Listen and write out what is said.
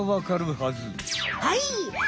はい！